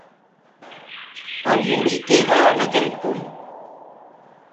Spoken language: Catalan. El molí queda en aquell punt.